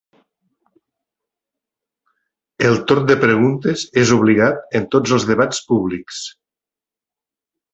El torn de preguntes és obligat en tots els debats públics.